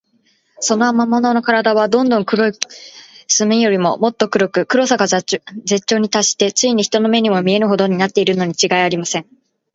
その魔物のからだは、どんな濃い墨よりも、もっと黒く、黒さが絶頂にたっして、ついに人の目にも見えぬほどになっているのにちがいありません。